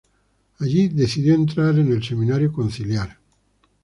Allí decidió entrar en el Seminario Conciliar.